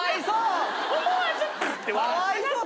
かわいそう。